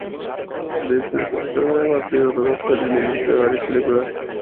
De esta empresa Dago ha sido productor y guionista de varias películas.